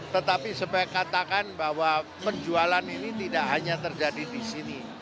tetapi saya katakan bahwa penjualan ini tidak hanya terjadi di sini